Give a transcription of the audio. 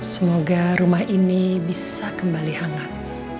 semoga rumah ini bisa kembali hangat